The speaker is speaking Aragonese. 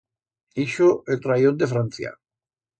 Ixo el trayión de Francia.